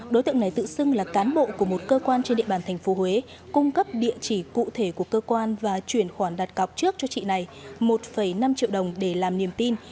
đối tượng này tự xưng là cán bộ của một cơ quan trên địa bàn tp huế cung cấp địa chỉ cụ thể của cơ quan và chuyển khoản đặt cọc trước cho chị này một năm triệu đồng để làm niềm tin